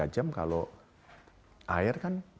dua jam kalau air kan